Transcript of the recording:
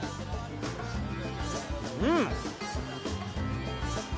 うん！